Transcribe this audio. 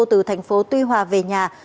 từ thành phố tuy hòa về nhà